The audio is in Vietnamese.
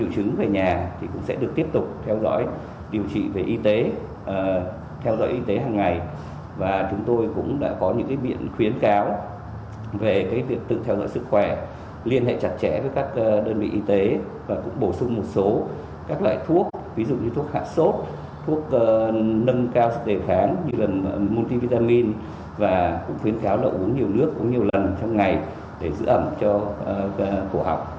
cũng khuyến kháo là uống nhiều nước uống nhiều lần trong ngày để giữ ẩm cho khổ học